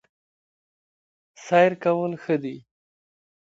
سیر کول ښه دي